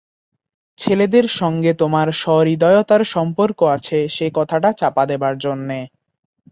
ছেলেদের সঙ্গে তোমার সহৃদয়তার সম্পর্ক আছে সেই কথাটা চাপা দেবার জন্যে।